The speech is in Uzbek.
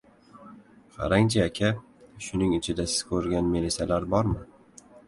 — Qarang-chi, aka, shuning ichida siz ko‘rgan melisalar bormi.